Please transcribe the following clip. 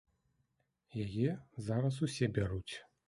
Яе зараз усе бяруць.